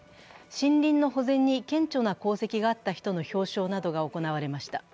森林の保全に顕著な功績があった人の表彰などが行われました。